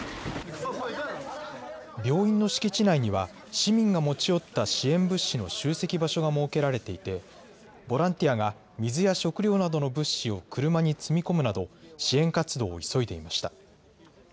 病院の敷地内には市民が持ち寄った支援物資の集積場所が設けられていてボランティアが水や食料などの物資を車に積み込むなど支援活動を急いでいました。